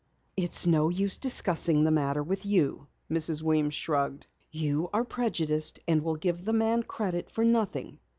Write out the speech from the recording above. "It's no use discussing the matter with you," Mrs. Weems shrugged. "You are prejudiced and will give the man credit for nothing."